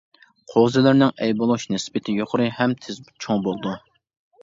قوزىلىرىنىڭ ئەي بولۇش نىسبىتى يۇقىرى ھەم تىز چوڭ بولىدۇ.